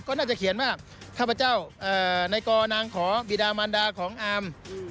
ก็น่าจะเขียนมากข้าพเจ้าในกอนางขอบิดามันดาของอาม